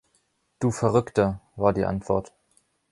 „Du Verrückter,“ war die Antwort.